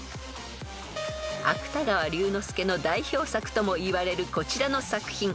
［芥川龍之介の代表作ともいわれるこちらの作品］